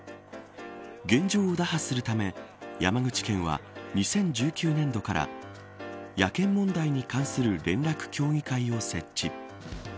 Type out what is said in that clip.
現状を打破するため、山口県は２０１９年度から野犬問題に関する連絡協議会を設置。